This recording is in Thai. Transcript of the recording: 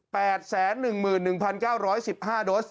แสนหนึ่งหมื่นหนึ่งพันเก้าร้อยสิบห้าโดส